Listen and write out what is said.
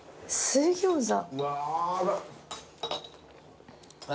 水餃子